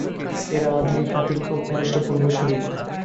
এঁরা আধুনিক হাতির খুব ঘনিষ্ঠ পূর্বসূরী।